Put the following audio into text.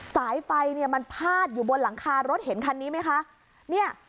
สายไฟเนี่ยมันพาดอยู่บนหลังคารถเห็นคันนี้ไหมคะเนี่ย